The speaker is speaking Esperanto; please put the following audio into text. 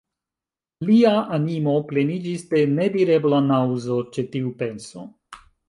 Lia animo pleniĝis de nedirebla naŭzo ĉe tiu penso.